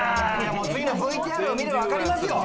次のＶＴＲを見れば分かりますよ。